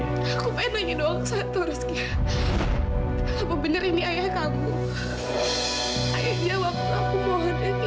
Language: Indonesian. aku pengen nanya doang satu rizky apa bener ini ayah kamu ayo jawablah aku mohon ya jawab sekarang